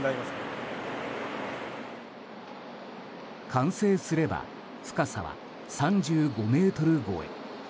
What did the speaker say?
完成すれば深さは３５ｍ超え。